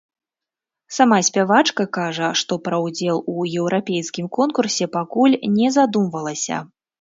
Сама спявачка кажа, што пра ўдзел у еўрапейскім конкурсе пакуль не задумвалася.